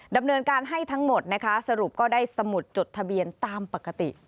ดำเนินการให้ทั้งหมดนะคะสรุปก็ได้สมุดจดทะเบียนตามปกติ